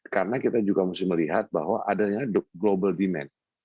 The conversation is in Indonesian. karena kita juga mesti melihat bahwa adanya global demand